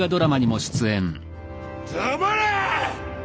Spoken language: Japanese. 黙れ！